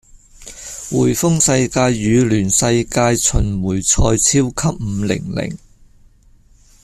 滙豐世界羽聯世界巡迴賽超級五零零